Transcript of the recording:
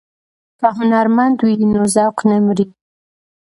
که هنرمند وي نو ذوق نه مري.